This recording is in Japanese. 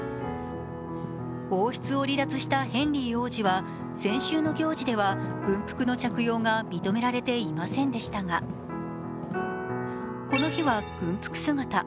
王室を離脱したヘンリー王子は先週の行事では軍服の着用が認められていませんでしたがこの日は軍服姿。